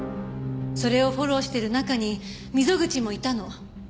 それをフォローしてる中に溝口もいたの。